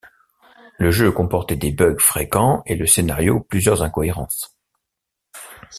Le jeu comportait des bugs fréquents et le scénario plusieurs incohérences.